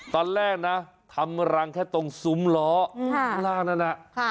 ตอนแรกนะทำรังแค่ตรงสุมหลอล่างนั้นนะ